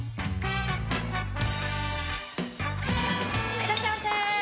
いらっしゃいませはい！